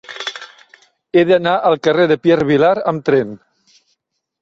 He d'anar al carrer de Pierre Vilar amb tren.